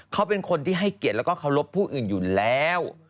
เขาเป็นคนที่ให้เกียรติแล้วก็เคารพผู้อื่นอยู่แล้ว